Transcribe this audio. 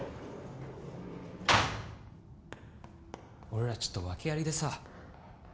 俺らちょっと訳ありでさ